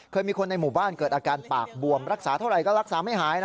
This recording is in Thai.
เคยมีคนในหมู่บ้านเกิดอาการปากบวมรักษาเท่าไหร่ก็รักษาไม่หายนะ